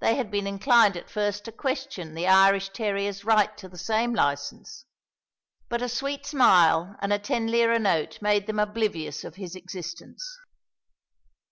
They had been inclined at first to question the Irish terrier's right to the same licence, but a sweet smile and a ten lire note made them oblivious of his existence.